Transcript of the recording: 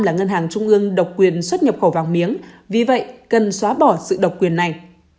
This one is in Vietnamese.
là ngân hàng trung ương độc quyền xuất nhập khẩu vàng miếng vì vậy cần xóa bỏ sự độc quyền này